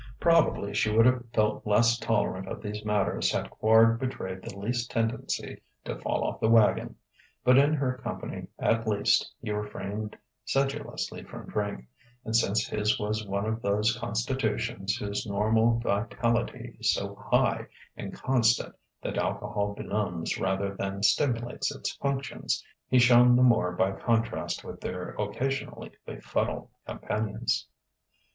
Probably she would have felt less tolerant of these matters had Quard betrayed the least tendency to "fall off the wagon." But in her company, at least, he refrained sedulously from drink; and since his was one of those constitutions whose normal vitality is so high and constant that alcohol benumbs rather than stimulates its functions, he shone the more by contrast with their occasionally befuddled companions.